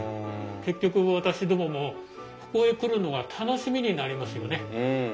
結局私どももここへ来るのが楽しみになりますよね。